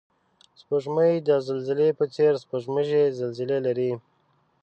سپوږمۍ د زلزلې په څېر سپوږمیزې زلزلې لري